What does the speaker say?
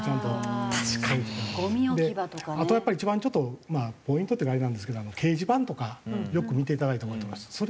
あとはやっぱり一番ちょっとポイントっていうかあれなんですけど掲示板とかよく見ていただいたほうがいいと思います。